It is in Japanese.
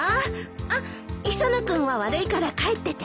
あっ磯野君は悪いから帰ってて。